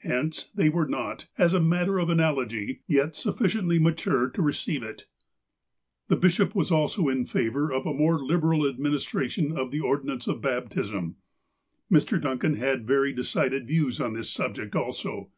Hence, they were not, as a matter of analogy, yet sufficiently ma tured to receive it. The bishop also was in favour of a more liberal admiri' istration of the ordinance of baptism. Mr. Duncan had very decided views on this subject also.